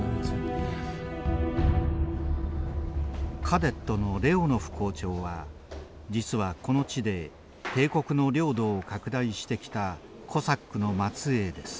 カデットのレオノフ校長は実はこの地で帝国の領土を拡大してきたコサックの末えいです。